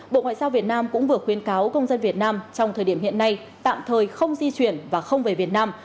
bộ ngoại giao việt nam cũng vừa khuyến cáo công dân việt nam trong thời điểm hiện nay tạm thời không di chuyển và không về việt nam